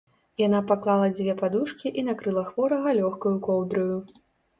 Яна паклала дзве падушкі і накрыла хворага лёгкаю коўдраю.